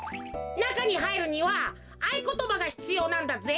なかにはいるにはあいことばがひつようなんだぜ。